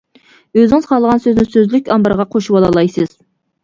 ئۆزىڭىز خالىغان سۆزنى سۆزلۈك ئامبىرىغا قوشۇۋالالايسىز.